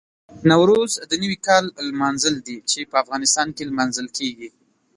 نوروز د نوي کال لمانځل دي چې په افغانستان کې لمانځل کېږي.